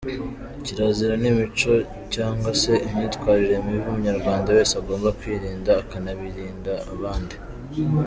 Kirazira ni imico cyangwa se imyitwarire mibi umunyarwanda wese agomba kwirinda akanabirinda abandi.